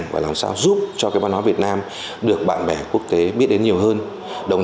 và sự phục hưng